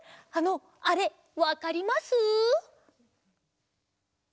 あのあれわかります？